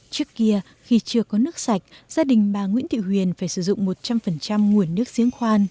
trước kia khi chưa có nước sạch gia đình bà nguyễn thị huyền phải sử dụng một trăm linh nguồn nước diễn khoan